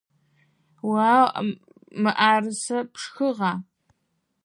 О мыӏэрысэр пшхыгъа?